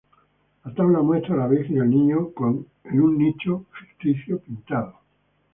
La tabla muestra a la Virgen y el Niño en un nicho ficticio, pintado.